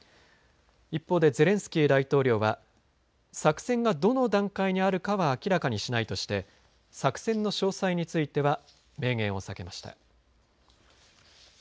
一方でゼレンスキー大統領は作戦がどの段階にあるかは明らかにしないとして作戦の詳細については明言を避けました。